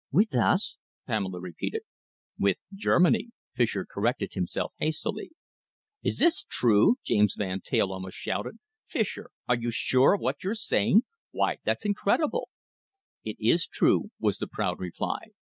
"With us?" Pamela repeated. "With Germany," Fischer corrected himself hastily. "Is this true?" James Van Teyl almost shouted. "Fischer, are you sure of what you're saying? Why, it's incredible!" "It is true," was the proud reply.